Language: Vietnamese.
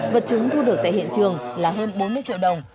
vật chứng thu được tại hiện trường là hơn bốn mươi triệu đồng